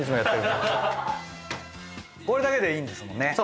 これだけでいいんですもんね。